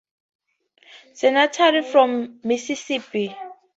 Senators from Mississippi.